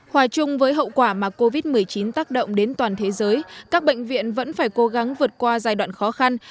hòa chung với hậu quả mà covid một mươi chín tác động đến toàn thế giới các bệnh viện vẫn phải cố gắng vượt qua giai đoạn khó khăn